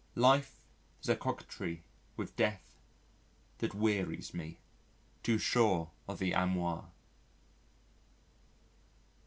"Life is a coquetry with Death that wearies me, Too sure of the amour."